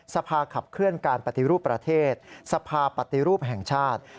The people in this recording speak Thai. สภาขับเคลื่อนการปฏิรูปประเทศสภาปฏิรูปแห่งชาติ